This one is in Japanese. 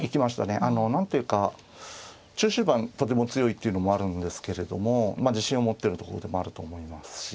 あの何ていうか中終盤とても強いっていうのもあるんですけれども自信を持ってるところでもあると思いますし。